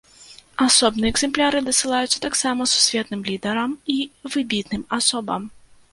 Асобныя экзэмпляры дасылаюцца таксама сусветным лідарам і выбітным асобам.